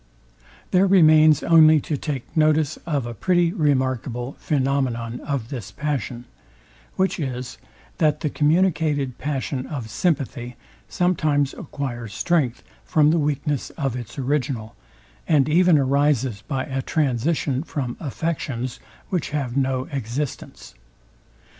There remains only to take notice of a pretty remarkable phænomenon of this passion; which is, that the communicated passion of sympathy sometimes acquires strength from the weakness of its original, and even arises by a transition from affections, which have no existence.